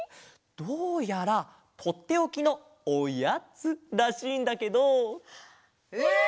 どうやらとっておきの「おやつ」らしいんだけど。え！？